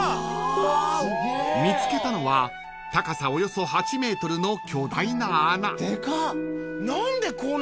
［見つけたのは高さおよそ８ｍの巨大な穴］